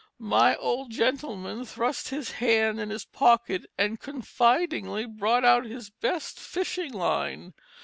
My old gentleman thrust his hand in his pocket and confidingly brought out his best fishing line.